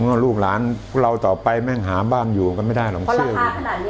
ถ้าขนาดเนี้ยคนข้างเขาก็ไม่ยอมขายราคาจากปกติแล้ว